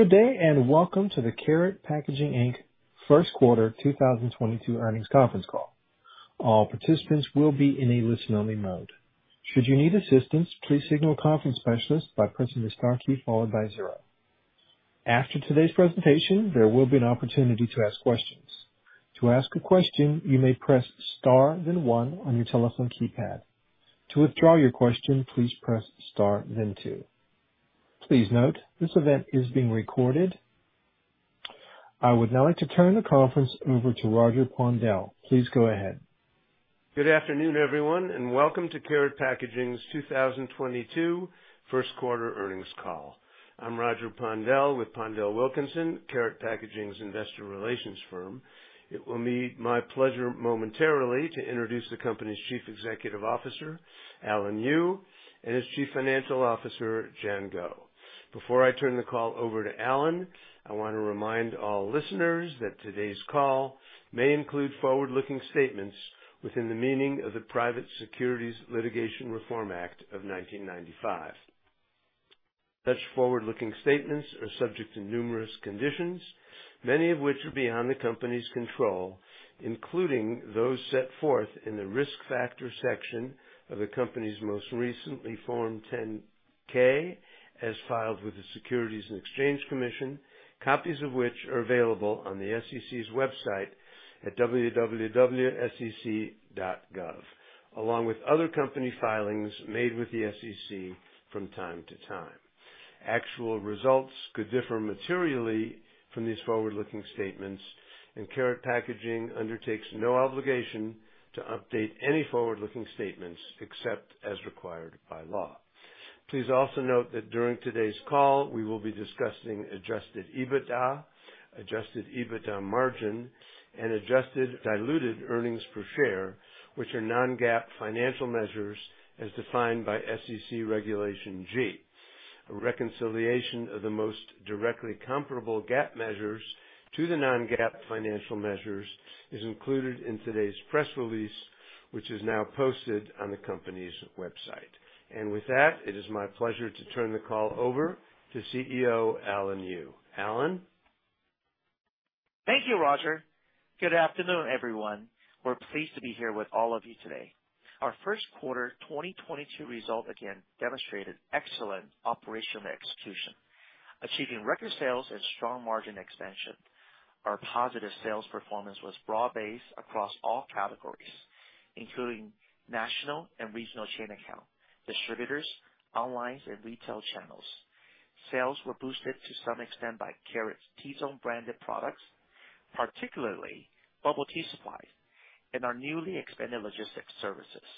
Good day, and welcome to the Karat Packaging Inc. first quarter 2022 earnings conference call. All participants will be in a listen-only mode. Should you need assistance, please signal a conference specialist by pressing the star key followed by zero. After today's presentation, there will be an opportunity to ask questions. To ask a question, you may press star then one on your telephone keypad. To withdraw your question, please press star then two. Please note, this event is being recorded. I would now like to turn the conference over to Roger Pondel. Please go ahead. Good afternoon, everyone, and welcome to Karat Packaging's 2022 first quarter earnings call. I'm Roger Pondel with PondelWilkinson, Karat Packaging's investor relations firm. It will be my pleasure momentarily to introduce the company's Chief Executive Officer, Alan Yu, and his Chief Financial Officer, Jian Guo. Before I turn the call over to Alan, I wanna remind all listeners that today's call may include forward-looking statements within the meaning of the Private Securities Litigation Reform Act of 1995. Such forward-looking statements are subject to numerous conditions, many of which are beyond the company's control, including those set forth in the Risk Factors section of the company's most recently filed Form 10-K, as filed with the Securities and Exchange Commission, copies of which are available on the SEC's website at www.sec.gov, along with other company filings made with the SEC from time to time. Actual results could differ materially from these forward-looking statements, and Karat Packaging undertakes no obligation to update any forward-looking statements except as required by law. Please also note that during today's call, we will be discussing adjusted EBITDA, adjusted EBITDA margin, and adjusted diluted earnings per share, which are non-GAAP financial measures as defined by SEC Regulation G. A reconciliation of the most directly comparable GAAP measures to the non-GAAP financial measures is included in today's press release, which is now posted on the company's website. With that, it is my pleasure to turn the call over to CEO, Alan Yu. Alan? Thank you, Roger. Good afternoon, everyone. We're pleased to be here with all of you today. Our first quarter 2022 result again demonstrated excellent operational execution, achieving record sales and strong margin expansion. Our positive sales performance was broad-based across all categories, including national and regional chain account, distributors, online and retail channels. Sales were boosted to some extent by Karat's Tea Zone branded products, particularly bubble tea supply and our newly expanded logistics services.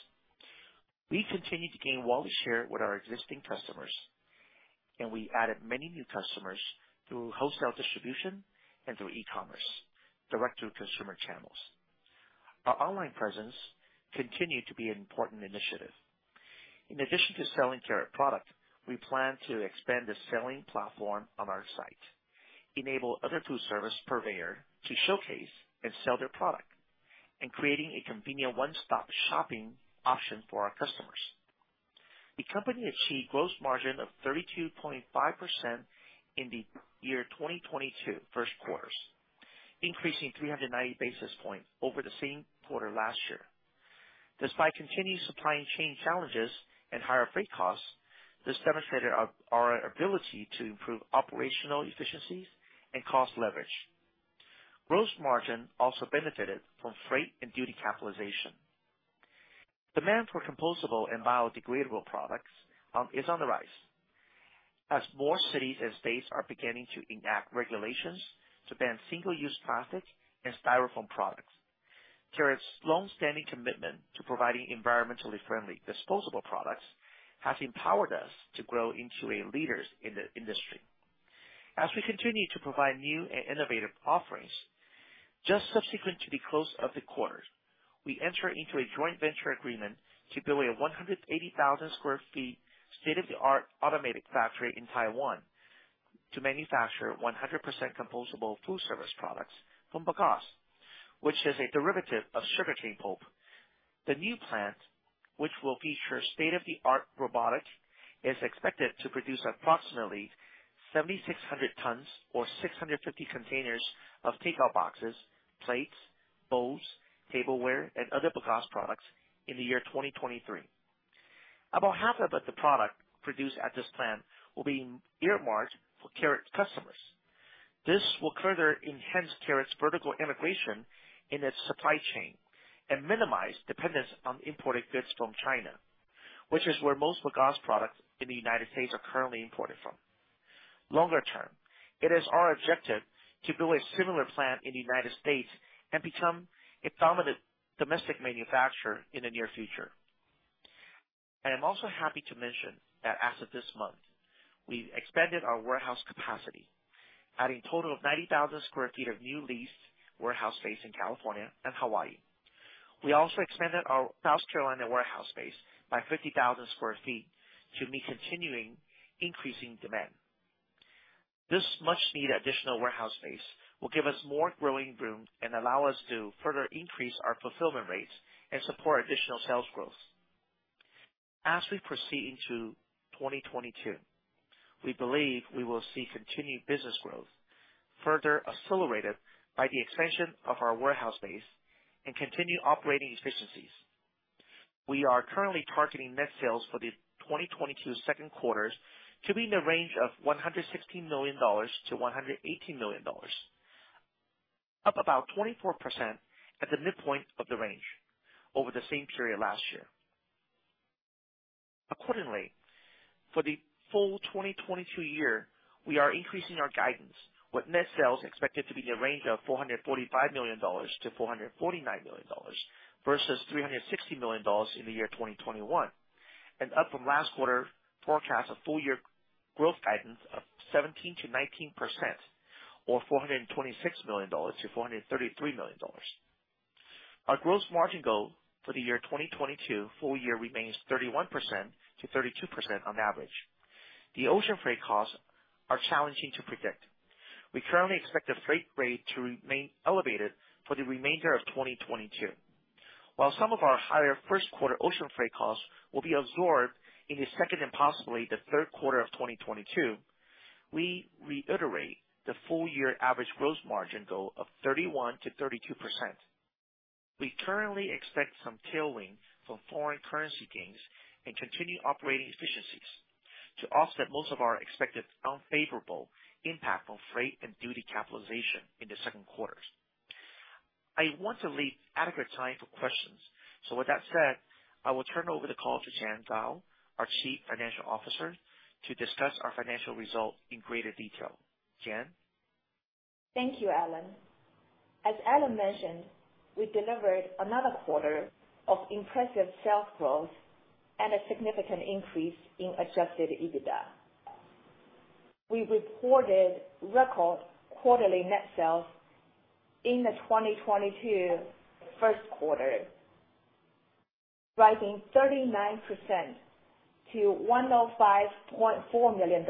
We continue to gain wallet share with our existing customers, and we added many new customers through wholesale distribution and through e-commerce, direct-to-consumer channels. Our online presence continued to be an important initiative. In addition to selling Karat product, we plan to expand the selling platform on our site, enable other food service purveyor to showcase and sell their product, and creating a convenient one-stop shopping option for our customers. The company achieved gross margin of 32.5% in the year 2022 first quarter, increasing 390 basis points over the same quarter last year. Despite continued supply chain challenges and higher freight costs, this demonstrated our ability to improve operational efficiencies and cost leverage. Gross margin also benefited from freight and duty capitalization. Demand for compostable and biodegradable products is on the rise as more cities and states are beginning to enact regulations to ban single-use plastic and styrofoam products. Karat's longstanding commitment to providing environmentally friendly disposable products has empowered us to grow into a leader in the industry. As we continue to provide new and innovative offerings, just subsequent to the close of the quarter, we enter into a joint venture agreement to build a 180,000 sq ft state-of-the-art automated factory in Taiwan to manufacture 100% compostable foodservice products from bagasse, which is a derivative of sugarcane pulp. The new plant, which will feature state-of-the-art robotics, is expected to produce approximately 7,600 tons or 650 containers of takeout boxes, plates, bowls, tableware, and other bagasse products in the year 2023. About half of the product produced at this plant will be earmarked for Karat customers. This will further enhance Karat's vertical integration in its supply chain and minimize dependence on imported goods from China, which is where most bagasse products in the United States are currently imported from. Longer term, it is our objective to build a similar plant in the United States and become a dominant domestic manufacturer in the near future. I'm also happy to mention that as of this month, we've expanded our warehouse capacity, adding total of 90,000 sq ft of new leased warehouse space in California and Hawaii. We also expanded our South Carolina warehouse space by 50,000 sq ft to meet continuing increasing demand. This much needed additional warehouse space will give us more growing room and allow us to further increase our fulfillment rates and support additional sales growth. As we proceed into 2022, we believe we will see continued business growth further accelerated by the expansion of our warehouse base and continued operating efficiencies. We are currently targeting net sales for the 2022 second quarter to be in the range of $116 million-$118 million, up about 24% at the midpoint of the range over the same period last year. Accordingly, for the full 2022 year, we are increasing our guidance with net sales expected to be in the range of $445 million-$449 million versus $360 million in the year 2021. Up from last quarter forecast a full year growth guidance of 17%-19% or $426 million-$433 million. Our gross margin goal for the 2022 full year remains 31%-32% on average. The ocean freight costs are challenging to predict. We currently expect the freight rate to remain elevated for the remainder of 2022. While some of our higher first quarter ocean freight costs will be absorbed in the second and possibly the third quarter of 2022, we reiterate the full year average gross margin goal of 31%-32%. We currently expect some tailwind from foreign currency gains and continued operating efficiencies to offset most of our expected unfavorable impact on freight and duty capitalization in the second quarters. I want to leave adequate time for questions. With that said, I will turn over the call to Jian Guo, our Chief Financial Officer, to discuss our financial results in greater detail. Jian. Thank you, Alan. As Alan mentioned, we delivered another quarter of impressive sales growth and a significant increase in adjusted EBITDA. We reported record quarterly net sales in the 2022 first quarter, rising 39% to $105.4 million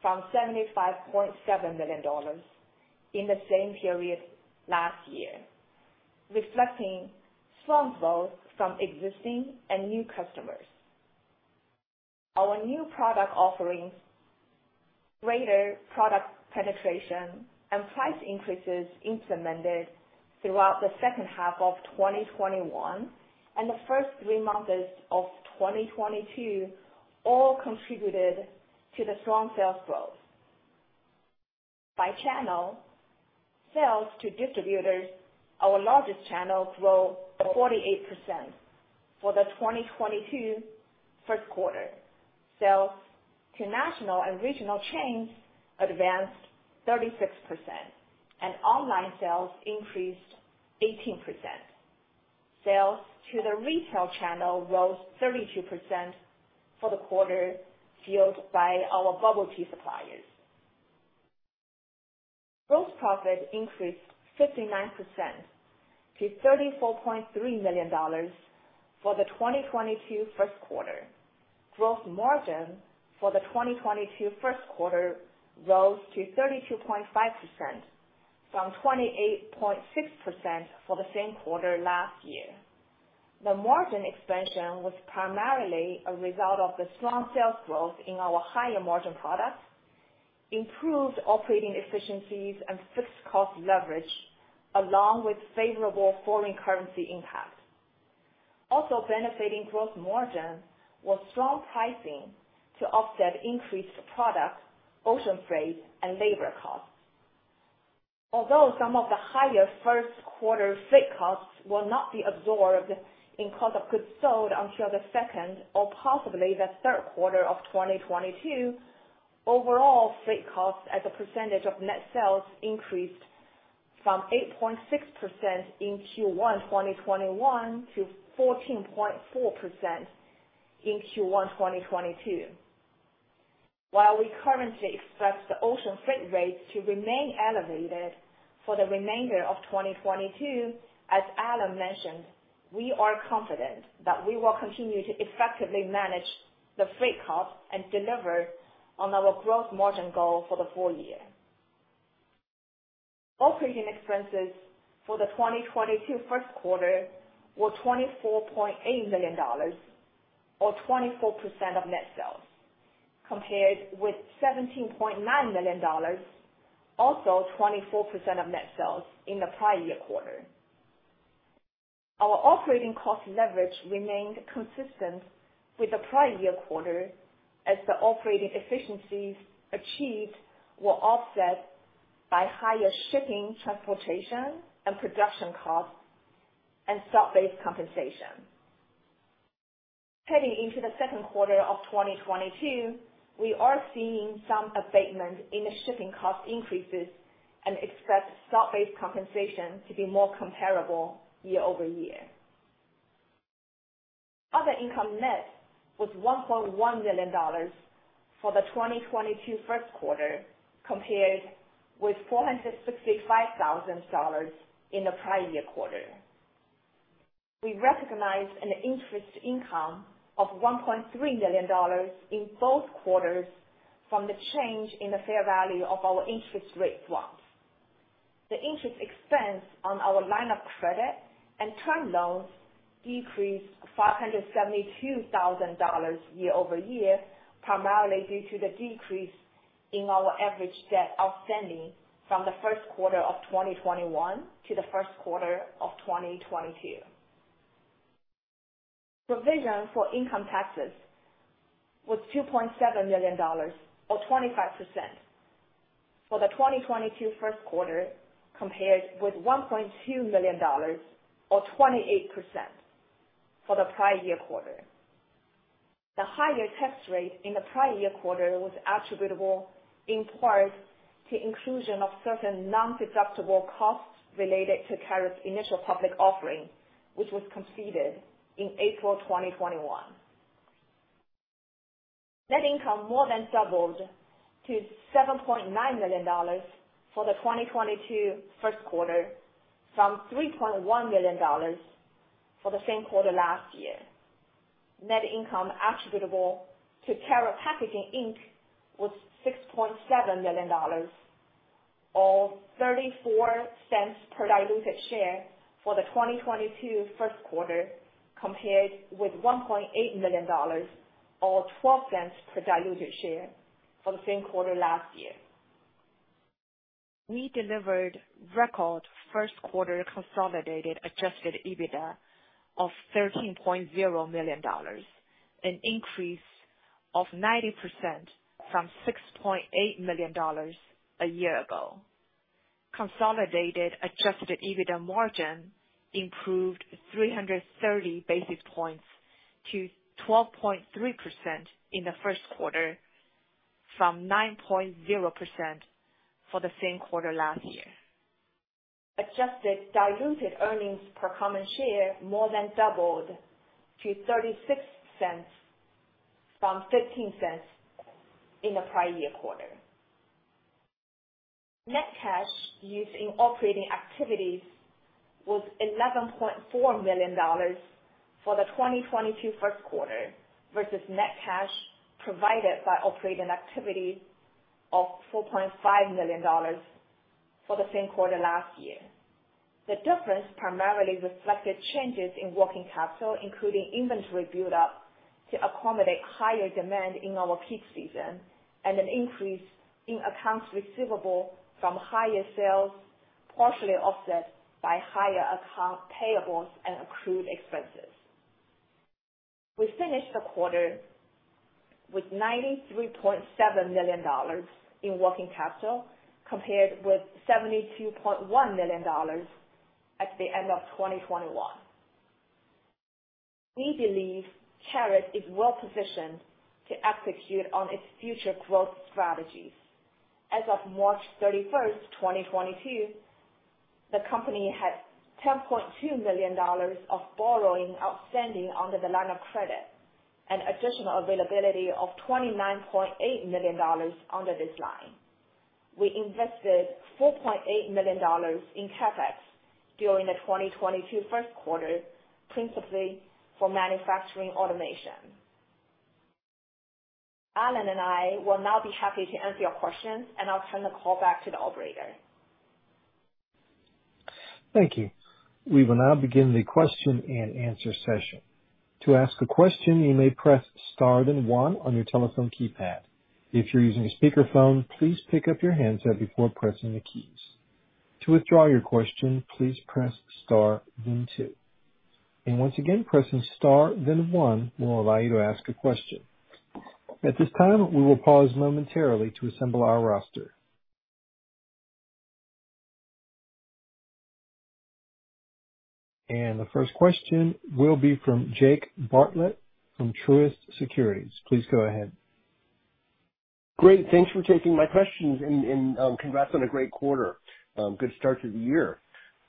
from $75.7 million in the same period last year, reflecting strong growth from existing and new customers. Our new product offerings, greater product penetration and price increases implemented throughout the second half of 2021 and the first three months of 2022 all contributed to the strong sales growth. By channel, sales to distributors, our largest channel, grew 48% for the 2022 first quarter. Sales to national and regional chains advanced 36% and online sales increased 18%. Sales to the retail channel rose 32% for the quarter fueled by our bubble tea suppliers. Gross profit increased 59% to $34.3 million for the 2022 first quarter. Gross margin for the 2022 first quarter rose to 32.5% from 28.6% for the same quarter last year. The margin expansion was primarily a result of the strong sales growth in our higher margin products, improved operating efficiencies and fixed cost leverage along with favorable foreign currency impacts. Also benefiting gross margin was strong pricing to offset increased product, ocean freight and labor costs. Although some of the higher first quarter freight costs will not be absorbed in cost of goods sold until the second or possibly the third quarter of 2022, overall freight costs as a percentage of net sales increased from 8.6% in Q1 2021 to 14.4% in Q1 2022. While we currently expect the ocean freight rates to remain elevated for the remainder of 2022, as Alan mentioned, we are confident that we will continue to effectively manage the freight costs and deliver on our growth margin goal for the full year. Operating expenses for the 2022 first quarter were $24.8 million or 24% of net sales, compared with $17.9 million, also 24% of net sales in the prior year quarter. Our operating cost leverage remained consistent with the prior year quarter as the operating efficiencies achieved were offset by higher shipping, transportation and production costs and stock-based compensation. Heading into the second quarter of 2022, we are seeing some abatement in the shipping cost increases and expect stock-based compensation to be more comparable year-over-year. Other income net was $1.1 million for the 2022 first quarter, compared with $465,000 in the prior year quarter. We recognized an interest income of $1.3 million in both quarters from the change in the fair value of our interest rate swaps. The interest expense on our line of credit and term loans decreased $572,000 year over year, primarily due to the decrease in our average debt outstanding from the first quarter of 2021 to the first quarter of 2022. Provision for income taxes was $2.7 million, or 25%, for the 2022 first quarter, compared with $1.2 million or 28% for the prior year quarter. The higher tax rate in the prior year quarter was attributable in part to inclusion of certain non-deductible costs related to Karat's initial public offering, which was completed in April 2021. Net income more than doubled to $7.9 million for the 2022 first quarter from $3.1 million for the same quarter last year. Net income attributable to Karat Packaging Inc. was $6.7 million or $0.34 per diluted share for the 2022 first quarter, compared with $1.8 million or $0.12 per diluted share for the same quarter last year. We delivered record first quarter consolidated adjusted EBITDA of $13.0 million, an increase of 90% from $6.8 million a year ago. Consolidated adjusted EBITDA margin improved 330 basis points to 12.3% in the first quarter, from 9.0% for the same quarter last year. Adjusted diluted earnings per common share more than doubled to $0.36 from $0.15 in the prior year quarter. Net cash used in operating activities was $11.4 million for the 2022 first quarter versus net cash provided by operating activity of $4.5 million for the same quarter last year. The difference primarily reflected changes in working capital, including inventory build-up, to accommodate higher demand in our peak season and an increase in accounts receivable from higher sales, partially offset by higher account payables and accrued expenses. We finished the quarter with $93.7 million in working capital compared with $72.1 million at the end of 2021. We believe Karat is well-positioned to execute on its future growth strategies. As of March 31, 2022, the company had $10.2 million of borrowing outstanding under the line of credit, an additional availability of $29.8 million under this line. We invested $4.8 million in CapEx during the 2022 first quarter, principally for manufacturing automation. Alan and I will now be happy to answer your questions, and I'll turn the call back to the operator. Thank you. We will now begin the question-and-answer session. To ask a question, you may press star then one on your telephone keypad. If you're using a speakerphone, please pick up your handset before pressing the keys. To withdraw your question, please press star then two. Once again, pressing star then one will allow you to ask a question. At this time, we will pause momentarily to assemble our roster. The first question will be from Jake Bartlett from Truist Securities. Please go ahead. Great. Thanks for taking my questions and congrats on a great quarter. Good start to the year.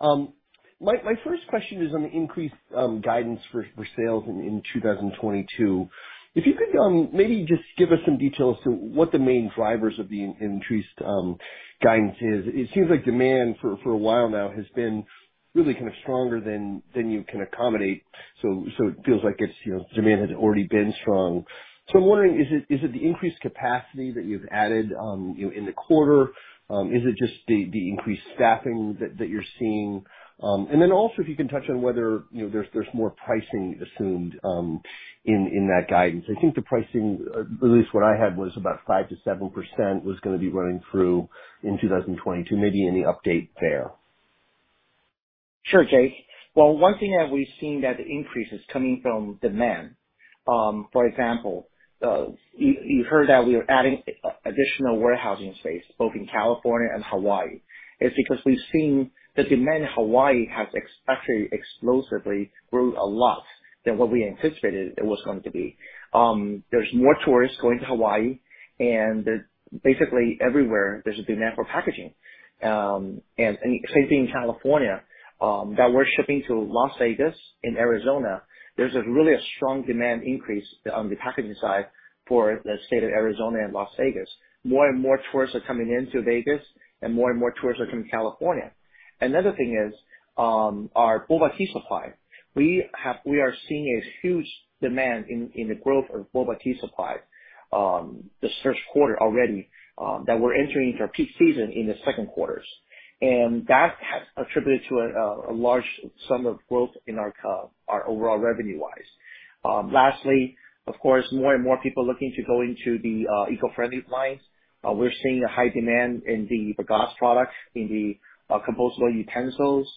My first question is on the increased guidance for sales in 2022. If you could maybe just give us some details to what the main drivers of the increased guidance is. It seems like demand for a while now has been really kind of stronger than you can accommodate, so it feels like it's you know demand has already been strong. I'm wondering, is it the increased capacity that you've added you know in the quarter? Is it just the increased staffing that you're seeing? Then also, if you can touch on whether you know there's more pricing assumed in that guidance. I think the pricing, at least what I had, was about 5%-7% was gonna be running through in 2022. Maybe any update there? Sure, Jake. Well, one thing that we've seen that the increase is coming from demand. For example, you heard that we are adding additional warehousing space both in California and Hawaii. It's because we've seen the demand in Hawaii has actually explosively grew a lot than what we anticipated it was going to be. There's more tourists going to Hawaii and there's basically everywhere there's a demand for packaging. Same thing in California, that we're shipping to Las Vegas and Arizona. There's a really strong demand increase on the packaging side for the state of Arizona and Las Vegas. More and more tourists are coming into Vegas and more and more tourists are coming to California. Another thing is, our boba tea supply. We are seeing a huge demand in the growth of boba tea supply this first quarter already that we're entering into our peak season in the second quarters. That has contributed to a large sum of growth in our overall revenue-wise. Lastly, of course, more and more people looking to go into the eco-friendly lines. We're seeing a high demand in the bagasse products, in the compostable utensils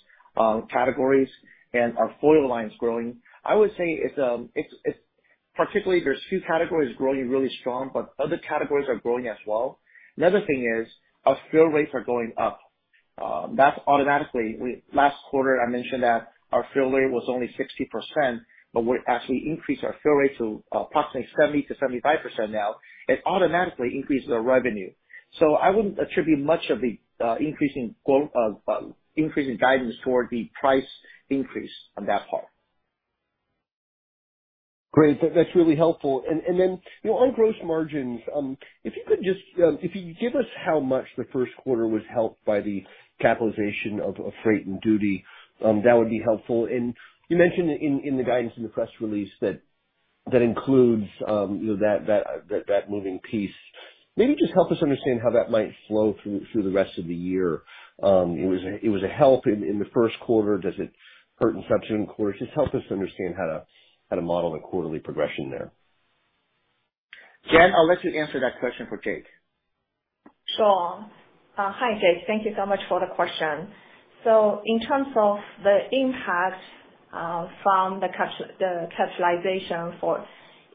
categories, and our foil line's growing. I would say it's particularly there's two categories growing really strong, but other categories are growing as well. Another thing is our fill rates are going up. That's automatic. Last quarter, I mentioned that our fill rate was only 60%, but we actually increased our fill rate to approximately 70%-75% now. It automatically increases our revenue. I wouldn't attribute much of the increase in guidance toward the price increase on that part. Great. That's really helpful. Then, you know, on gross margins, if you could just give us how much the first quarter was helped by the capitalization of freight and duty, that would be helpful. You mentioned in the guidance in the press release that that includes, you know, that moving piece. Maybe just help us understand how that might flow through the rest of the year. It was a help in the first quarter. Does it hurt in subsequent quarters? Just help us understand how to model the quarterly progression there. Jian, I'll let you answer that question for Jake. Sure. Hi, Jake. Thank you so much for the question. In terms of the impact from the CapEx capitalization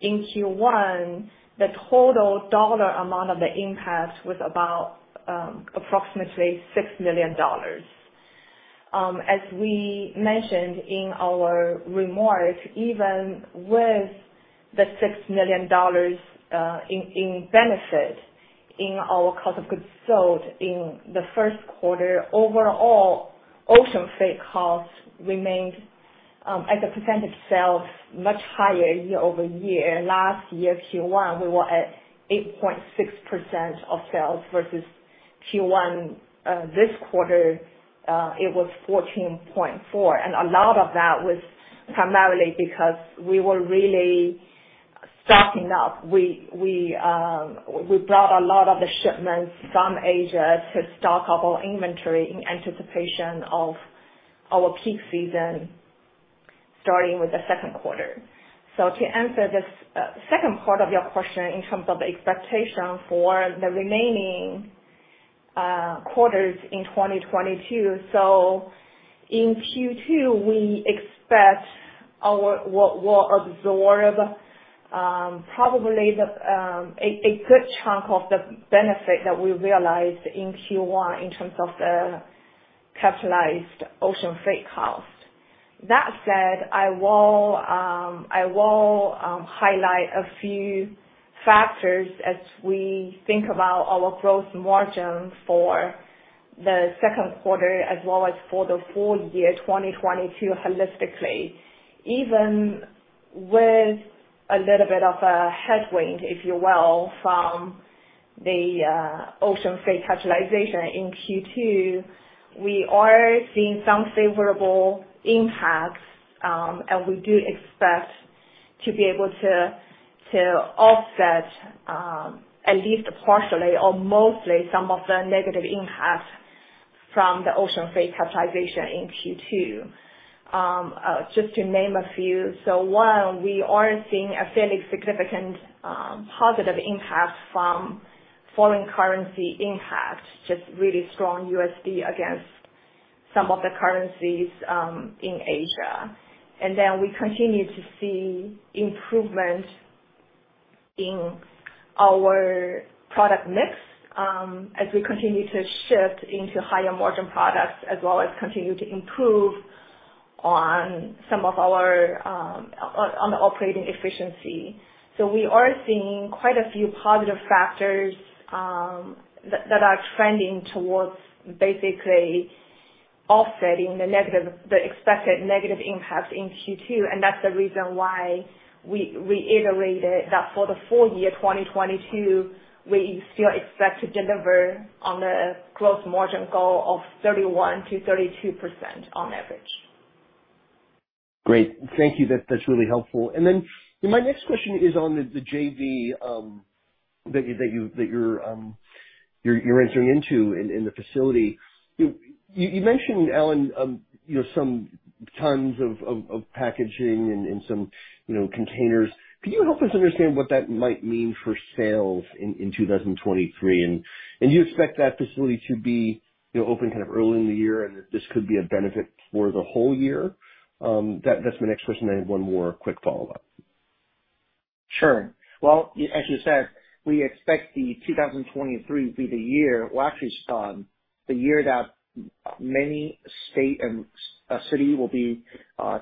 in Q1, the total dollar amount of the impact was about approximately $6 million. As we mentioned in our remarks, even with the $6 million in benefit in our cost of goods sold in the first quarter, overall, ocean freight costs remained as a % of sales much higher year-over-year. Last year, Q1, we were at 8.6% of sales versus Q1 this quarter, it was 14.4%. A lot of that was primarily because we were really stocking up. We brought a lot of the shipments from Asia to stock up our inventory in anticipation of our peak season starting with the second quarter. To answer the second part of your question in terms of expectation for the remaining quarters in 2022. In Q2, we expect we'll absorb probably a good chunk of the benefit that we realized in Q1 in terms of the capitalized ocean freight cost. That said, I will highlight a few factors as we think about our gross margin for the second quarter as well as for the full year 2022 holistically. Even with a little bit of a headwind, if you will, from the ocean freight capitalization in Q2, we are seeing some favorable impacts and we do expect to be able to offset at least partially or mostly some of the negative impacts from the ocean freight capitalization in Q2. Just to name a few. One, we are seeing a fairly significant positive impact from foreign currency impact, just really strong USD against some of the currencies in Asia. We continue to see improvement in our product mix, as we continue to shift into higher margin products, as well as continue to improve on some of our on the operating efficiency. We are seeing quite a few positive factors that are trending towards basically offsetting the expected negative impacts in Q2, and that's the reason why we reiterated that for the full year 2022, we still expect to deliver on the growth margin goal of 31%-32% on average. Great. Thank you. That's really helpful. My next question is on the JV that you're entering into in the facility. You mentioned, Alan, you know, some tons of packaging and some you know, containers. Could you help us understand what that might mean for sales in 2023? You expect that facility to be you know, open kind of early in the year and that this could be a benefit for the whole year? That's my next question. I have one more quick follow-up. Sure. Well, as you said, we expect 2023 to be the year. Well, actually, the year that many states and cities will be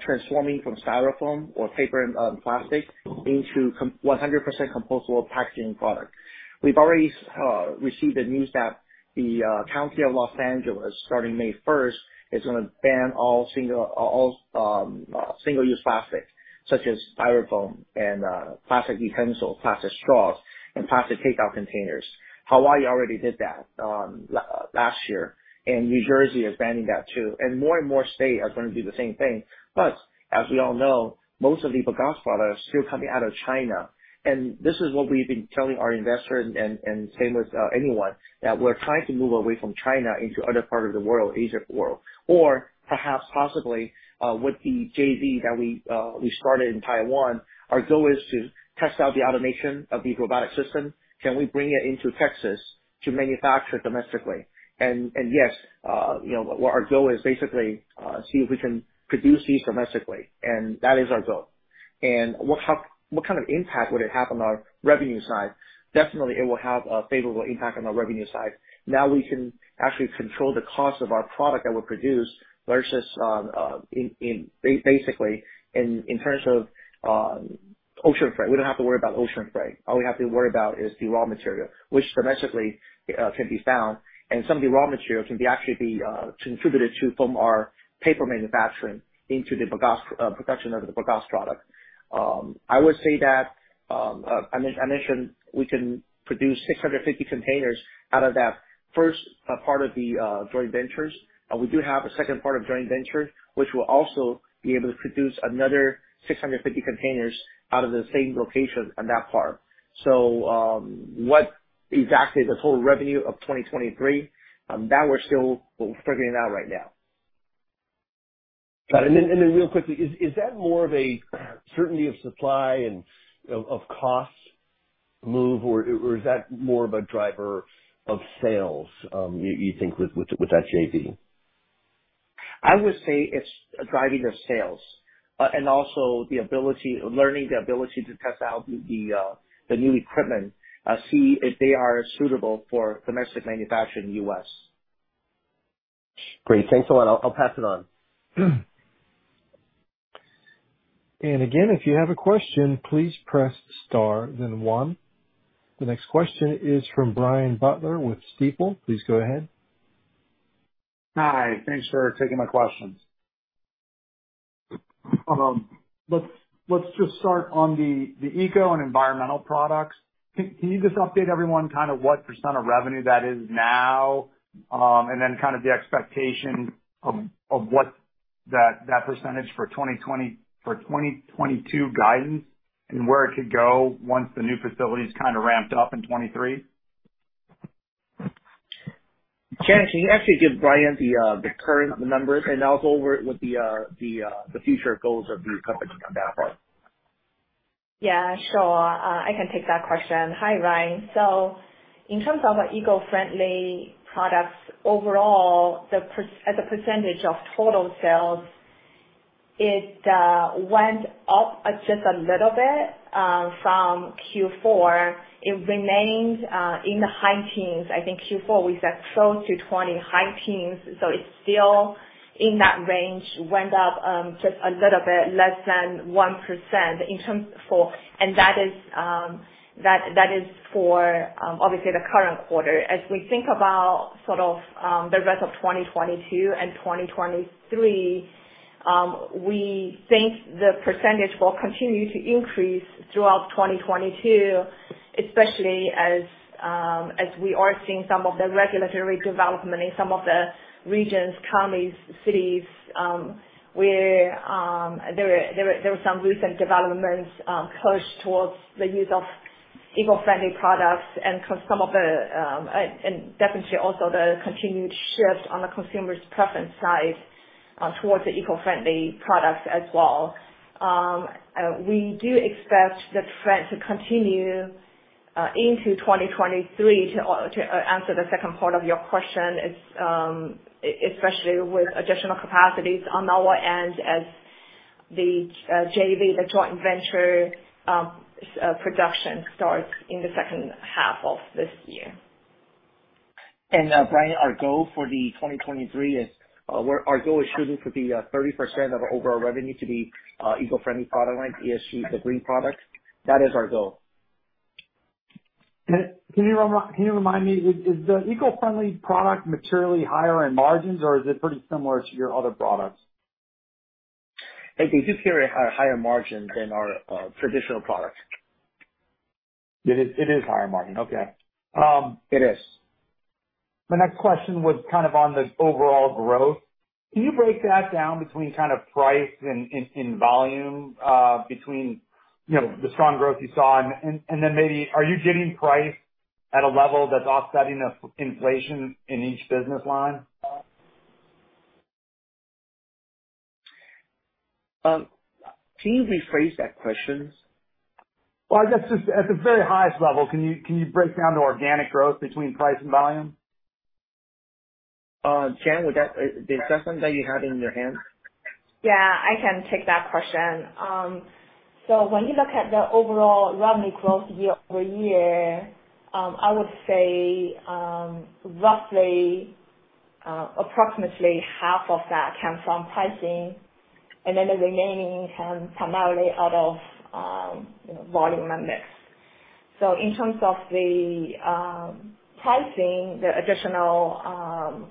transforming from Styrofoam or paper and plastic into 100% compostable packaging product. We've already received the news that the County of Los Angeles, starting May 1, is gonna ban all single-use plastic, such as Styrofoam and plastic utensils, plastic straws, and plastic takeout containers. Hawaii already did that last year, and New Jersey is banning that too. More and more states are gonna do the same thing. Plus, as we all know, most of the bagasse products still coming out of China. This is what we've been telling our investors and same with anyone that we're trying to move away from China into other parts of the world, Asia world. Perhaps possibly with the JV that we started in Taiwan, our goal is to test out the automation of the robotic system. Can we bring it into Texas to manufacture domestically? Yes, you know, what our goal is basically see if we can produce these domestically, and that is our goal. What kind of impact would it have on our revenue side? Definitely it will have a favorable impact on our revenue side. Now we can actually control the cost of our product that we produce versus basically in terms of ocean freight. We don't have to worry about ocean freight. All we have to worry about is the raw material, which domestically can be found. Some of the raw materials can actually be contributed to from our paper manufacturing into the bagasse production of the bagasse product. I mentioned we can produce 650 containers out of that first part of the joint ventures. We do have a second part of joint venture, which will also be able to produce another 650 containers out of the same location on that part. What exactly the total revenue of 2023 that we're still figuring out right now. Got it. Real quickly, is that more of a certainty of supply and of costs move or is that more of a driver of sales, you think with that JV? I would say it's driving the sales, and also the ability to test out the new equipment, see if they are suitable for domestic manufacture in the U.S. Great. Thanks a lot. I'll pass it on. Again, if you have a question, please press star then one. The next question is from Brian Butler with Stifel. Please go ahead. Hi. Thanks for taking my questions. Let's just start on the eco and environmental products. Can you just update everyone kind of what % of revenue that is now, and then kind of the expectation of what that % for 2020, for 2022 guidance and where it could go once the new facility is kinda ramped up in 2023? Jian Guo, can you actually give Brian the current numbers and also where, with the future goals of the company on that part? Yeah. Sure. I can take that question. Hi, Brian. In terms of eco-friendly products, overall, the percentage of total sales, it went up just a little bit from Q4. It remained in the high teens. I think Q4 we said close to 20 high teens, so it's still in that range. Went up just a little bit, less than 1% in terms for. That is for obviously the current quarter. As we think about sort of the rest of 2022 and 2023, we think the percentage will continue to increase throughout 2022, especially as we are seeing some of the regulatory development in some of the regions, counties, cities where there were some recent developments pushed towards the use of eco-friendly products and some of the, and definitely also the continued shift on the consumer's preference side towards the eco-friendly products as well. We do expect the trend to continue into 2023, to answer the second part of your question. It's especially with additional capacities on our end as the JV, the joint venture, production starts in the second half of this year. Brian, our goal for 2023 is shooting for the 30% of overall revenue to be eco-friendly product line, ESG, the green products. That is our goal. Can you remind me, is the eco-friendly product materially higher in margins or is it pretty similar to your other products? It carries higher margins than our traditional products. It is higher margin. Okay. It is. My next question was on the overall growth. Can you break that down between price and volume, the strong growth you saw? Then maybe are you getting price at a level that's offsetting the inflation in each business line? Can you rephrase that question? Well, I guess just at the very highest level, can you break down the organic growth between price and volume? Jian Guo, the assessment that you had in your hand? Yeah, I can take that question. When you look at the overall revenue growth year-over-year, I would say, roughly, approximately half of that came from pricing and then the remaining came primarily out of, you know, volume and mix. In terms of the pricing, the additional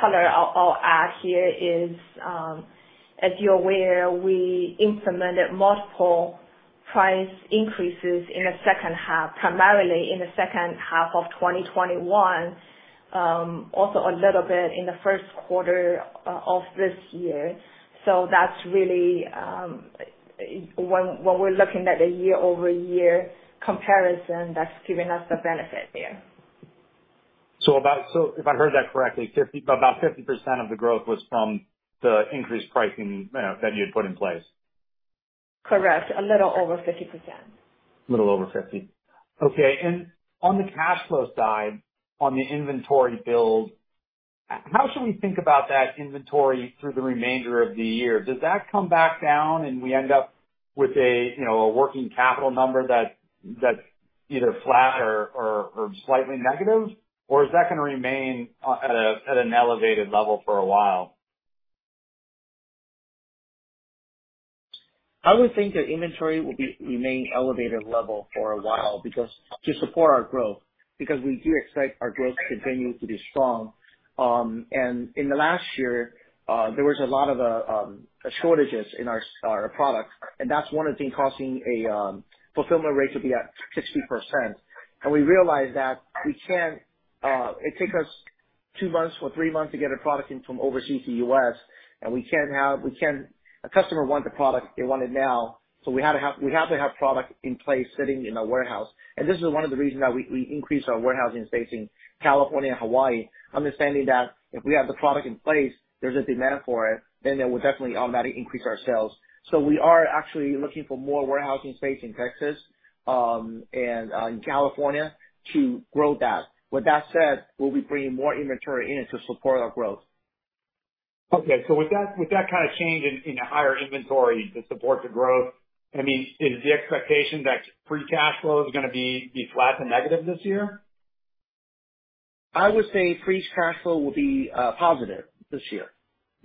color I'll add here is, as you're aware, we implemented multiple price increases in the second half, primarily in the second half of 2021, also a little bit in the first quarter of this year. That's really when we're looking at the year-over-year comparison that's giving us the benefit there. About. If I heard that correctly, about 50% of the growth was from the increased pricing that you had put in place. Correct. A little over 50%. Okay. On the cash flow side, on the inventory build, how should we think about that inventory through the remainder of the year? Does that come back down and we end up with a working capital number that's either flat or slightly negative? Or is that gonna remain at an elevated level for a while? I would think the inventory will remain at an elevated level for a while because to support our growth, because we do expect our growth to continue to be strong. In the last year, there was a lot of shortages in our product, and that's one of the thing causing a fulfillment rate to be at 60%. We realized that we can't, it takes us 2 months or 3 months to get a product in from overseas to U.S., and we can't have. A customer want the product, they want it now, so we had to have, we have to have product in place sitting in our warehouse. This is one of the reasons that we increased our warehousing space in California and Hawaii, understanding that if we have the product in place, there's a demand for it, then that will definitely automatically increase our sales. We are actually looking for more warehousing space in Texas, and in California to grow that. With that said, we'll be bringing more inventory in to support our growth. Okay. With that kind of change in the higher inventory to support the growth, I mean, is the expectation that free cash flow is gonna be flat to negative this year? I would say free cash flow will be positive this year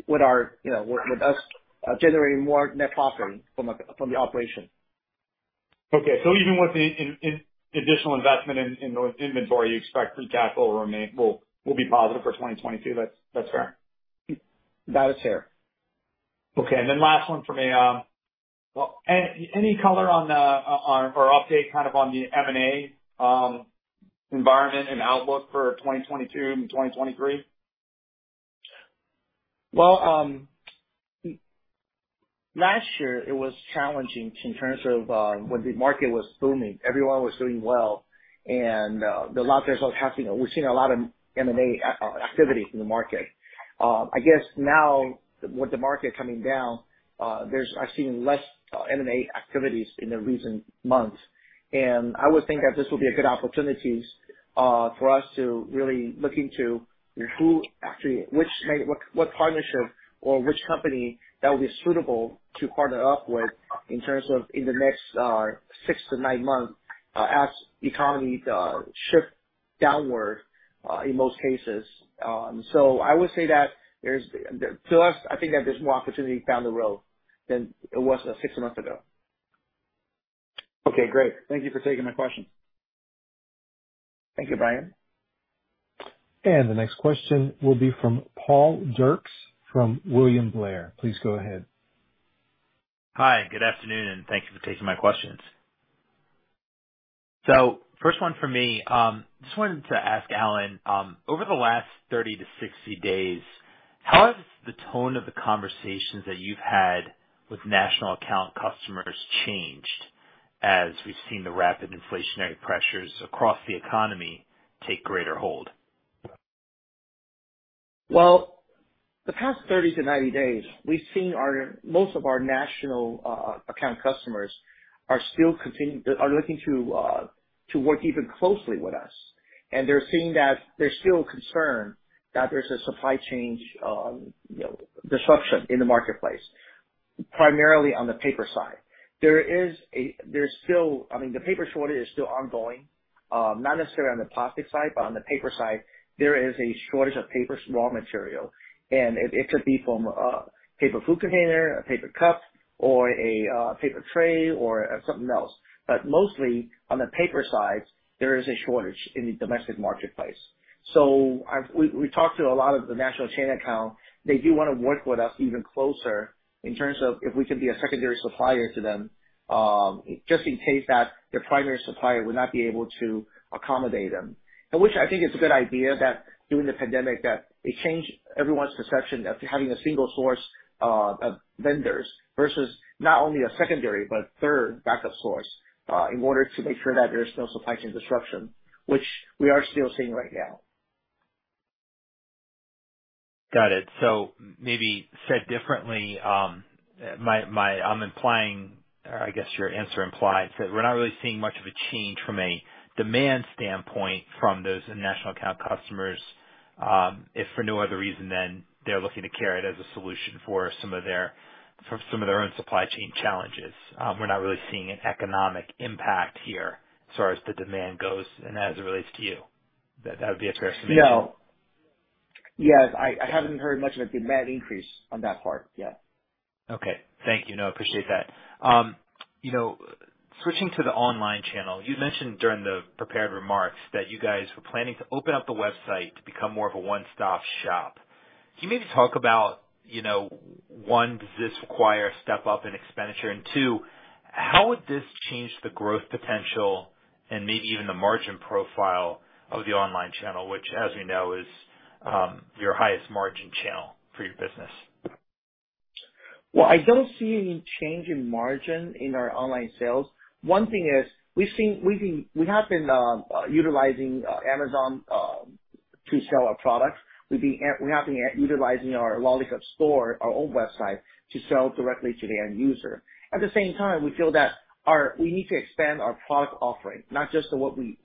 with us generating more net profit from the operation. Okay. Even with the additional investment in the inventory, you expect free cash flow will be positive for 2022, that's fair? That is fair. Okay. Last one for me. Any color on or update kind of on the M&A environment and outlook for 2022 and 2023? Well, last year it was challenging in terms of when the market was booming, everyone was doing well. The last result has been, we've seen a lot of M&A activity in the market. I guess now with the market coming down, there's actually less M&A activities in the recent months. I would think that this will be a good opportunities for us to really look into who actually what partnership or which company that will be suitable to partner up with in terms of in the next 6-9 months as economy shift downward in most cases. I would say that there's to us, I think that there's more opportunity down the road than it was 6 months ago. Okay, great. Thank you for taking my questions. Thank you, Brian. The next question will be from Paul Dircks, from William Blair. Please go ahead. Hi, good afternoon, and thank you for taking my questions. First one for me. Just wanted to ask Alan, over the last 30-60 days, how has the tone of the conversations that you've had with national account customers changed as we've seen the rapid inflationary pressures across the economy take greater hold? Well, the past 30 to 90 days, we've seen our most of our national account customers are still looking to work even closer with us. They're seeing that there's still concern that there's a supply chain you know disruption in the marketplace, primarily on the paper side. There's still I mean the paper shortage is still ongoing. Not necessarily on the plastic side, but on the paper side there is a shortage of paper raw material. It could be from paper food container, a paper cup or a paper tray or something else. But mostly on the paper side, there is a shortage in the domestic marketplace. We talked to a lot of the national chain account. They do wanna work with us even closer in terms of if we can be a secondary supplier to them, just in case that their primary supplier would not be able to accommodate them. Which I think is a good idea that during the pandemic that it changed everyone's perception of having a single source, of vendors versus not only a secondary but third backup source, in order to make sure that there's no supply chain disruption, which we are still seeing right now. Got it. Maybe said differently, I'm implying or I guess your answer implies that we're not really seeing much of a change from a demand standpoint from those national account customers, if for no other reason than they're looking to carry it as a solution for some of their own supply chain challenges. We're not really seeing an economic impact here as far as the demand goes and as it relates to you. That would be a fair assumption? No. Yes. I haven't heard much of a demand increase on that part. Yeah. Okay. Thank you. No, I appreciate that. You know, switching to the online channel, you mentioned during the prepared remarks that you guys were planning to open up the website to become more of a one-stop shop. Can you maybe talk about, you know, one, does this require a step up in expenditure? And two, how would this change the growth potential and maybe even the margin profile of the online channel, which as we know is, your highest margin channel for your business? Well, I don't see any change in margin in our online sales. One thing is we've been utilizing Amazon to sell our products. We've been utilizing our Lollicup store, our own website, to sell directly to the end user. At the same time, we feel that we need to expand our product offering, not just to what we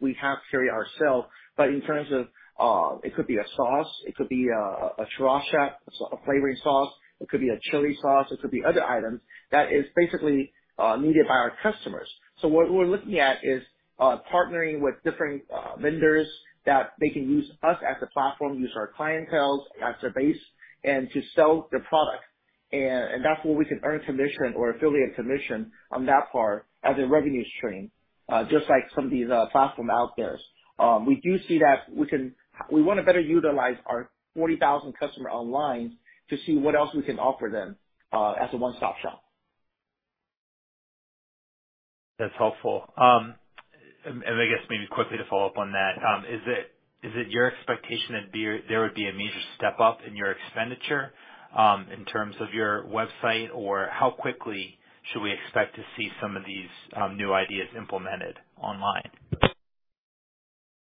carry ourselves, but in terms of it could be a sauce, it could be a sriracha, a flavoring sauce, it could be a chili sauce, it could be other items that is basically needed by our customers. What we're looking at is partnering with different vendors that they can use us as a platform, use our clientele as their base and to sell their product. That's where we can earn commission or affiliate commission on that part as a revenue stream, just like some of these platforms out there. We do see that we wanna better utilize our 40,000 customers online to see what else we can offer them as a one-stop shop. That's helpful. I guess maybe quickly to follow up on that. Is it your expectation that there would be a major step up in your expenditure in terms of your website, or how quickly should we expect to see some of these new ideas implemented online?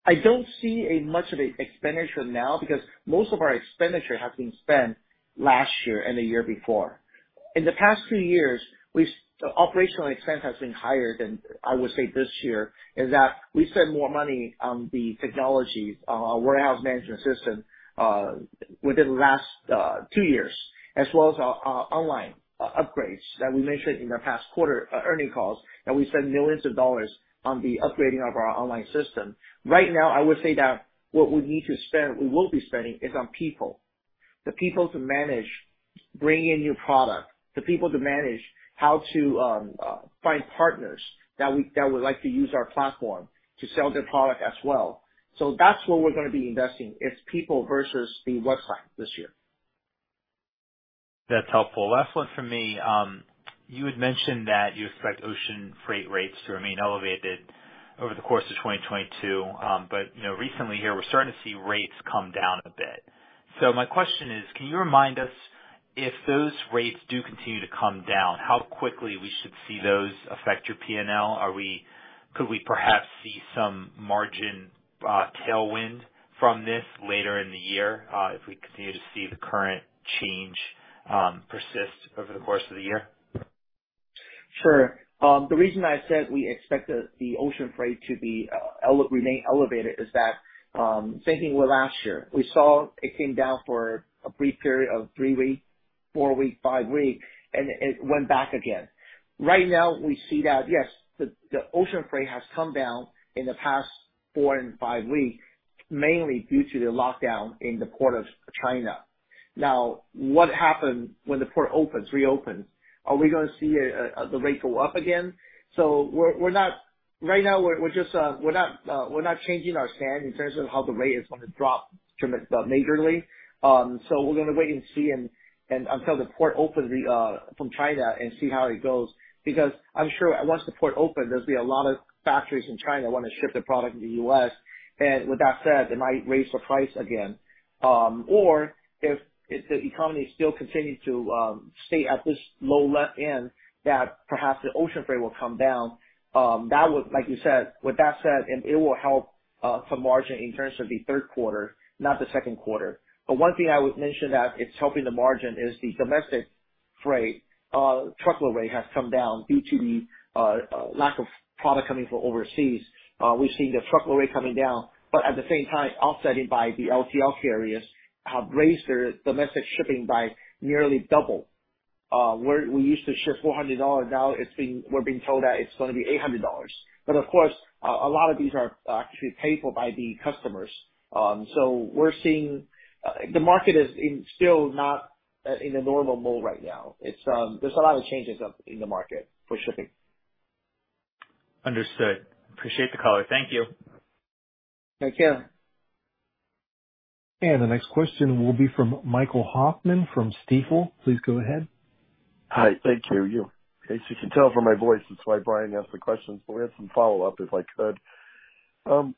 I don't see much of an expenditure now because most of our expenditure has been spent last year and the year before. In the past two years, operational expense has been higher than I would say this year, is that we spend more money on the technology, warehouse management system, within the last two years, as well as our online upgrades that we mentioned in the past quarter earnings calls, that we spend millions of dollars on the upgrading of our online system. Right now, I would say that what we need to spend, we will be spending, is on people. The people to manage bringing new product, the people to manage how to find partners that we, that would like to use our platform to sell their product as well. That's where we're gonna be investing, it's people versus the website this year. That's helpful. Last one from me. You had mentioned that you expect ocean freight rates to remain elevated over the course of 2022. But you know, recently here we're starting to see rates come down a bit. My question is, can you remind us if those rates do continue to come down, how quickly we should see those affect your PNL? Could we perhaps see some margin tailwind from this later in the year, if we continue to see the current change persist over the course of the year? Sure. The reason I said we expect the ocean freight to remain elevated is that same thing with last year, we saw it came down for a brief period of 3-week, 4-week, 5-week, and it went back again. Right now we see that, yes, the ocean freight has come down in the past 4 and 5 weeks, mainly due to the lockdown in the port of China. Now, what happens when the port opens, reopens? Are we gonna see the rate go up again? We're not. Right now we're just not changing our stance in terms of how the rate is gonna drop tremendously, majorly. We're gonna wait and see until the port opens from China and see how it goes. Because I'm sure once the ports open, there's gonna be a lot of factories in China who wanna ship their product to the U.S. With that said, they might raise the price again. Or if the economy still continues to stay at this low end, that perhaps the ocean freight will come down. That would, like you said, with that said, it will help for margin in terms of the third quarter, not the second quarter. One thing I would mention that it's helping the margin is the domestic freight truckload rate has come down due to the lack of product coming from overseas. We've seen the truckload rate coming down, but at the same time, offsetting by the LTL carriers have raised their domestic shipping by nearly double. Where we used to ship $400, now we're being told that it's gonna be $800. Of course, a lot of these are actually paid for by the customers. We're seeing the market is still not in a normal mode right now. There's a lot of changes up in the market for shipping. Understood. Appreciate the color. Thank you. Thank you. The next question will be from Michael Hoffman from Stifel. Please go ahead. Hi. Thank you. You can basically tell from my voice that's why Brian asked the questions, but we have some follow-up, if I could.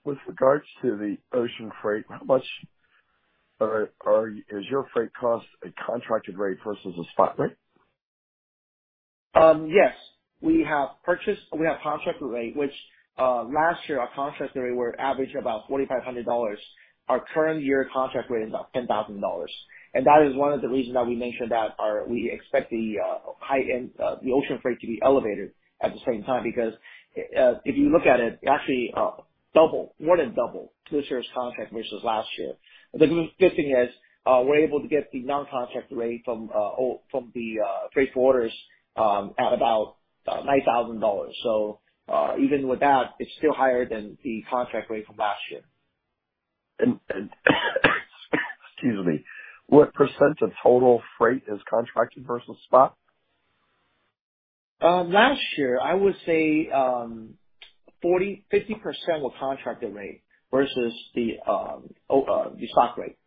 With regards to the ocean freight, how much is your freight cost a contracted rate versus a spot rate? Yes, we have contract rate, which last year our contract rate were average about $4,500. Our current year contract rate is now $10,000. That is one of the reasons that we mentioned that we expect the high end the ocean freight to be elevated at the same time. Because if you look at it, actually, double, more than double this year's contract versus last year. The good thing is, we're able to get the non-contract rate from the freight forwarders at about $9,000. Even with that, it's still higher than the contract rate from last year. Excuse me. What % of total freight is contracted versus spot? Last year I would say 40%-50% were contracted rate versus the spot rate.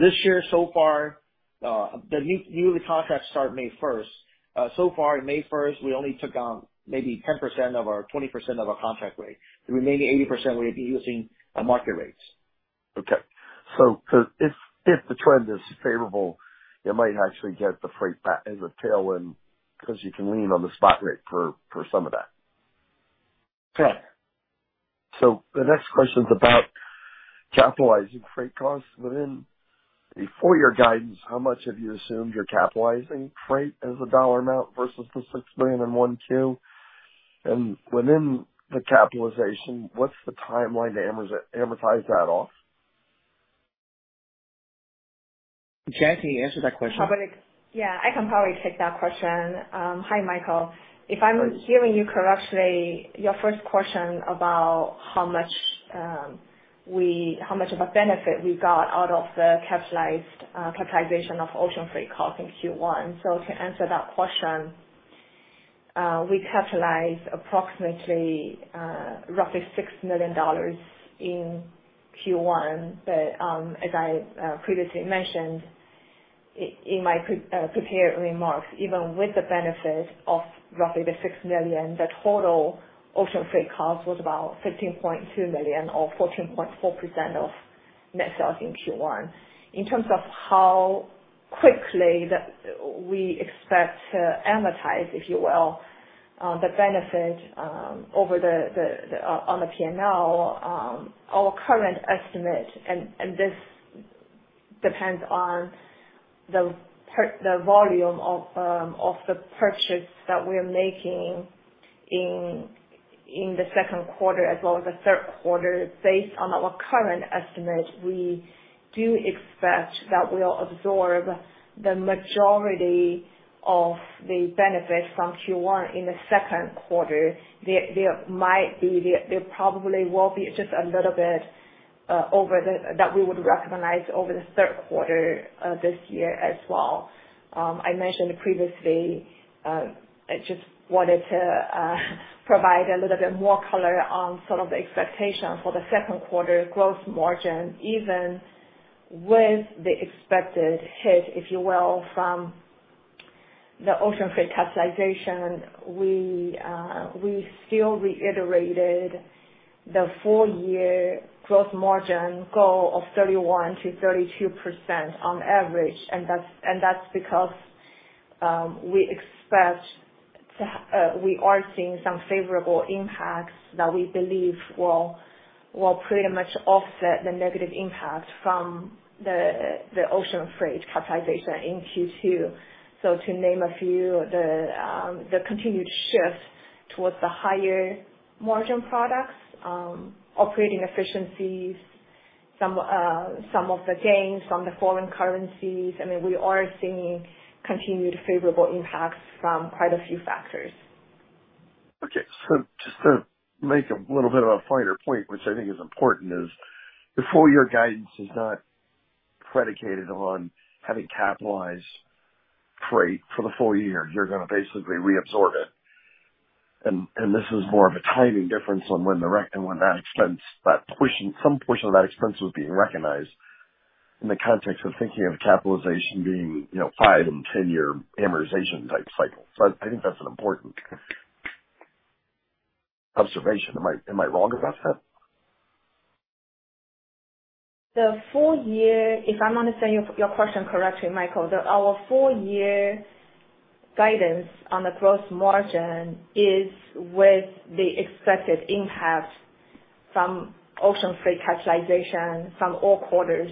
This year so far, the new contracts start May first. So far in May first, we only took on maybe 20% of our contract rate. The remaining 80% will be using market rates. Okay. If the trend is favorable, you might actually get the freight back as a tailwind because you can lean on the spot rate for some of that. Yeah. The next question is about capitalizing freight costs within the full year guidance. How much have you assumed you're capitalizing freight as a dollar amount versus the $6 million in Q1 Q2? Within the capitalization, what's the timeline to amortize that off? Jian Guo, answer that question. How about it. Yeah, I can probably take that question. Hi, Michael. If I'm hearing you correctly, your first question about how much of a benefit we got out of the capitalized capitalization of ocean freight cost in Q1. To answer that question, we capitalized approximately roughly $6 million in Q1. As I previously mentioned in my prepared remarks, even with the benefit of roughly the $6 million, the total ocean freight cost was about $15.2 million or 14.4% of net sales in Q1. In terms of how quickly that we expect to amortize, if you will, the benefit over the on the P&L, our current estimate, and this depends on the volume of the purchase that we're making in the second quarter as well as the third quarter. Based on our current estimate, we do expect that we'll absorb the majority of the benefit from Q1 in the second quarter. There might be, there probably will be just a little bit over that we would recognize over the third quarter this year as well. I mentioned previously, I just wanted to provide a little bit more color on some of the expectations for the second quarter gross margin. Even with the expected hit, if you will, from the ocean freight capitalization, we still reiterated the full year gross margin goal of 31%-32% on average. That's because we are seeing some favorable impacts that we believe will pretty much offset the negative impact from the ocean freight capitalization in Q2. To name a few, the continued shift towards the higher margin products, operating efficiencies, some of the gains from the foreign currencies. I mean, we are seeing continued favorable impacts from quite a few factors. Okay. Just to make a little bit of a finer point, which I think is important, is the full year guidance is not predicated on having capitalized freight for the full year. You're gonna basically reabsorb it. This is more of a timing difference on when that expense, that portion, some portion of that expense was being recognized in the context of thinking of capitalization being, you know, 5- and 10-year amortization type cycle. I think that's an important observation. Am I wrong about that? The full year, if I'm understanding your question correctly, Michael, our full year guidance on the gross margin is with the expected impact from ocean freight capitalization from all quarters.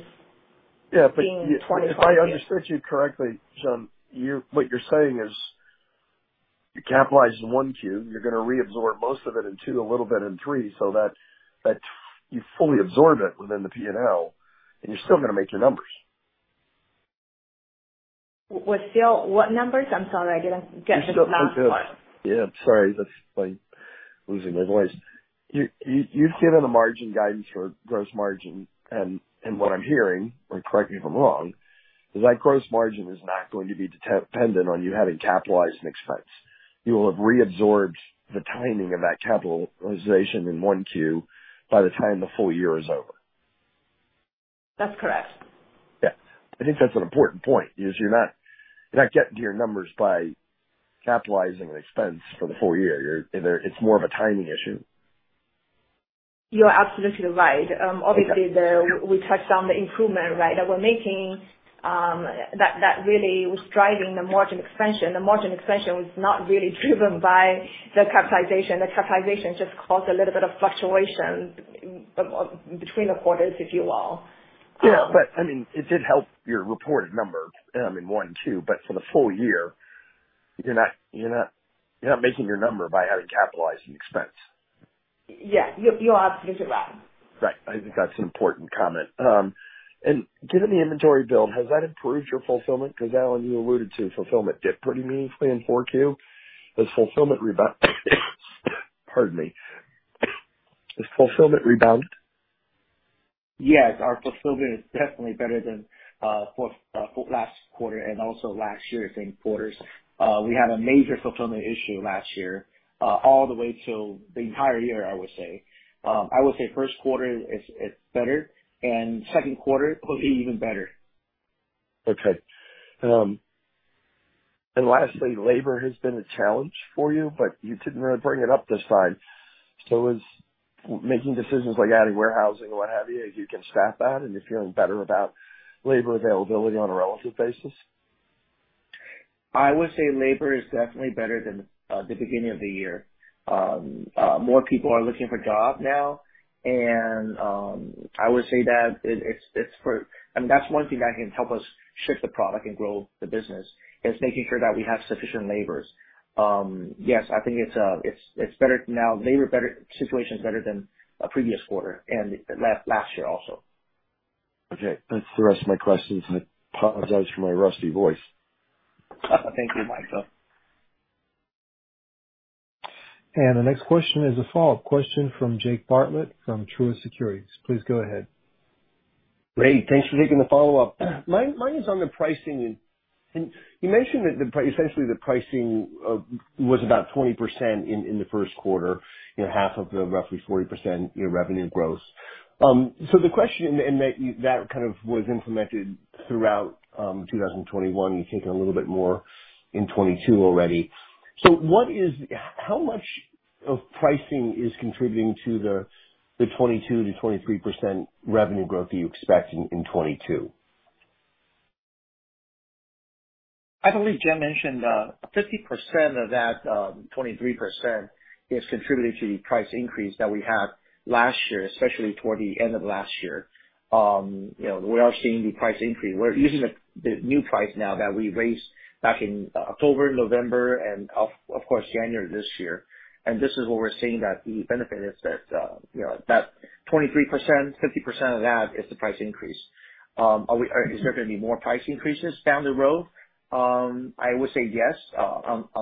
Yeah. being 25 years. If I understood you correctly, you're saying that you capitalize in 1Q, you're gonna reabsorb most of it in 2, a little bit in 3, so that you fully absorb it within the P&L, and you're still gonna make your numbers. What numbers? I'm sorry, I didn't get the last part. Yeah, sorry. That's me losing my voice. You've given a margin guidance for gross margin, and what I'm hearing, and correct me if I'm wrong, is that gross margin is not going to be dependent on you having capitalized an expense. You will have reabsorbed the timing of that capitalization in one Q by the time the full year is over. That's correct. Yeah. I think that's an important point, is you're not getting to your numbers by capitalizing an expense for the full year. It's more of a timing issue. You're absolutely right. Obviously we touched on the improvement, right? That we're making, that really was driving the margin expansion. The margin expansion was not really driven by the capitalization. The capitalization just caused a little bit of fluctuation between the quarters, if you will. Yeah, I mean, it did help your reported number, I mean, one and two, but for the full year, you're not making your number by capitalizing expenses. Yeah. You, you're absolutely right. Right. I think that's an important comment. Given the inventory build, has that improved your fulfillment? Because, Alan, you alluded to fulfillment dipped pretty meaningfully in Q4 2022. Has fulfillment rebounded? Yes, our fulfillment is definitely better than last quarter and also last year's same quarters. We had a major fulfillment issue last year, all the way till the entire year, I would say. I would say first quarter is better, and second quarter will be even better. Okay. Lastly, labor has been a challenge for you, but you didn't really bring it up this time. Is making decisions like adding warehousing or what have you can staff that? You're feeling better about labor availability on a relative basis? I would say labor is definitely better than the beginning of the year. More people are looking for job now and I would say that it's, I mean, that's one thing that can help us ship the product and grow the business, is making sure that we have sufficient labors. Yes, I think it's better now. Labor better, situation is better than previous quarter and last year also. Okay. That's the rest of my questions. I apologize for my rusty voice. Thank you, Michael. The next question is a follow-up question from Jake Bartlett from Truist Securities. Please go ahead. Great. Thanks for taking the follow-up. My question is on the pricing. You mentioned that essentially the pricing was about 20% in the first quarter, you know, half of the roughly 40% revenue growth, you know. That kind of was implemented throughout 2021. You've taken a little bit more in 2022 already. How much of pricing is contributing to the 22%-23% revenue growth that you expect in 2022? I believe Jian Guo mentioned, 50% of that 23% is contributed to the price increase that we had last year, especially toward the end of last year. You know, we are seeing the price increase. We're using the new price now that we raised back in October, November, and of course, January this year. This is what we're seeing that the benefit is that you know, that 23%, 50% of that is the price increase. Is there gonna be more price increases down the road? I would say yes,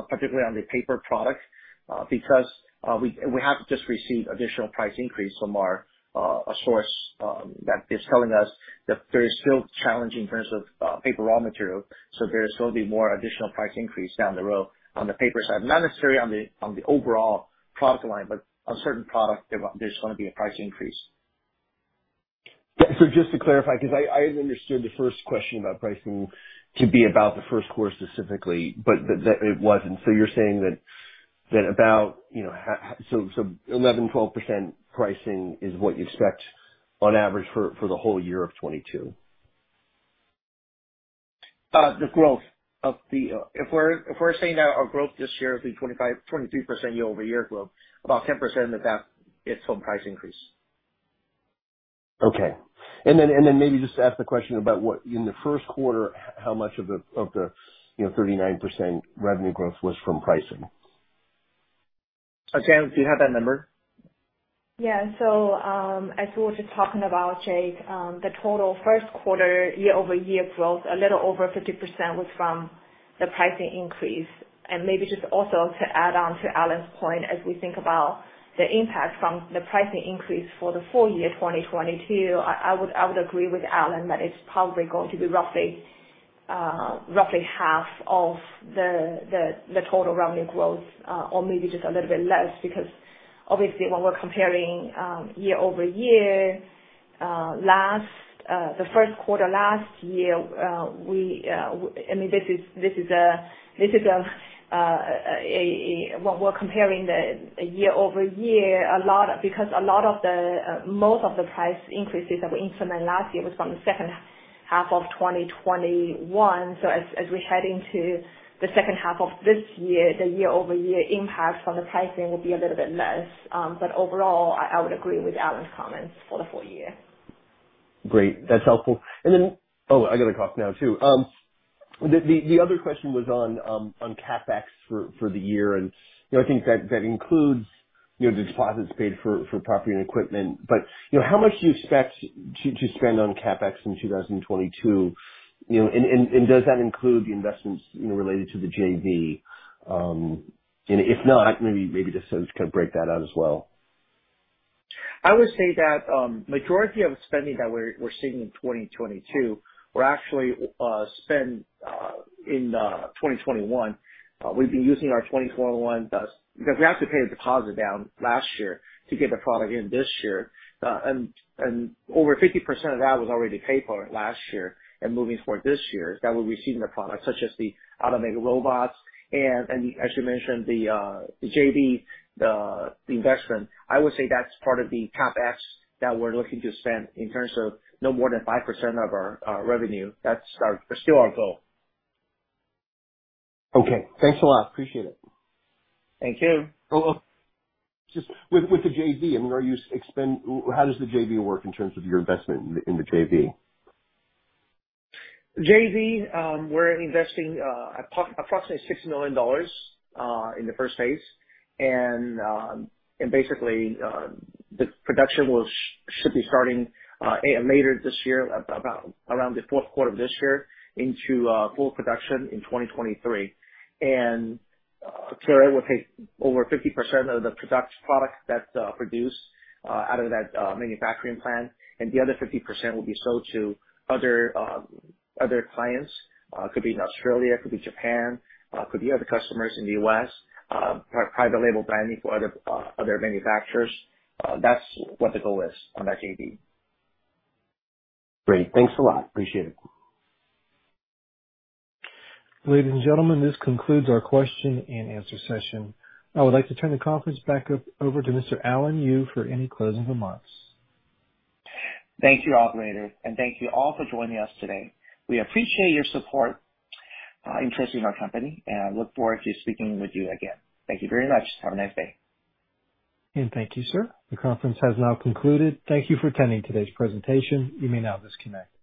particularly on the paper product, because we have just received additional price increase from our source that is telling us that there is still challenge in terms of paper raw material. There's gonna be more additional price increase down the road on the paper side. Not necessarily on the overall product line, but on certain products, there's gonna be a price increase. Just to clarify, 'cause I had understood the first question about pricing to be about the first quarter specifically, but that it wasn't. You're saying that about, you know, 11-12% pricing is what you expect on average for the whole year of 2022? If we're saying that our growth this year will be 25, 23% year-over-year growth, about 10% of that is from price increase. Okay. Maybe just to ask the question about what in the first quarter, how much of the you know 39% revenue growth was from pricing? Jian Guo, do you have that number? Yeah. As we were just talking about, Jake, the total first quarter year-over-year growth, a little over 50% was from the pricing increase. Maybe just also to add on to Alan's point, as we think about the impact from the pricing increase for the full year 2022, I would agree with Allen that it's probably going to be roughly half of the total revenue growth, or maybe just a little bit less. Because obviously when we're comparing year-over-year, the first quarter last year, we... I mean, this is what we're comparing year-over-year a lot because most of the price increases that we implement last year was from the second half of 2021. As we head into the second half of this year, the year-over-year impact on the pricing will be a little bit less. Overall, I would agree with Alan's comments for the full year. Great. That's helpful. I got a cough now too. The other question was on CapEx for the year. You know, I think that includes the deposits paid for property and equipment. You know, how much do you expect to spend on CapEx in 2022? You know, and does that include the investments related to the JV? If not, maybe just kind of break that out as well. I would say that majority of spending that we're seeing in 2022 were actually spent in 2021. We've been using our 2021 funds, because we have to pay a deposit down last year to get the product in this year. Over 50% of that was already paid for last year and moving forward this year that we're receiving the product such as the automated robots and as you mentioned, the JV, the investment. I would say that's part of the CapEx that we're looking to spend in terms of no more than 5% of our revenue. That's still our goal. Okay. Thanks a lot. Appreciate it. Thank you. Just with the JV, I mean, how does the JV work in terms of your investment in the JV? JV, we're investing approximately $60 million in the first phase. Basically, the production should be starting later this year, about around the fourth quarter of this year into full production in 2023. Clario will take over 50% of the product that produced out of that manufacturing plant, and the other 50% will be sold to other clients. Could be in Australia, could be Japan, could be other customers in the U.S., private label branding for other manufacturers. That's what the goal is on that JV. Great. Thanks a lot. Appreciate it. Ladies and gentlemen, this concludes our question and answer session. I would like to turn the conference back over to Mr. Alan Yu for any closing remarks. Thank you, operator, and thank you all for joining us today. We appreciate your support, interest in our company, and I look forward to speaking with you again. Thank you very much. Have a nice day. Thank you, sir. The conference has now concluded. Thank you for attending today's presentation. You may now disconnect.